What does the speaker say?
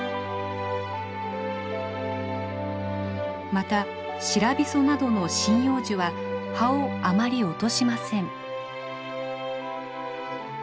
またシラビソなどの針葉樹は葉をあまり落としません。